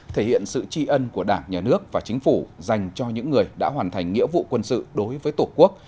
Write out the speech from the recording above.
thể hiện sự tri ân của đảng nhà nước và chính phủ dành cho những người đã hoàn thành nghĩa vụ quân sự đối với tổ quốc